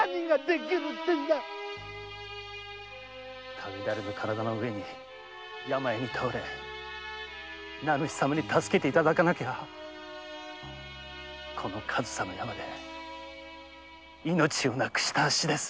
旅なれぬ体で病に倒れ名主様に助けていただかなきゃこの上総の山で命をなくしたあっしです。